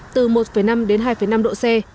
từ một năm đến hai năm độ c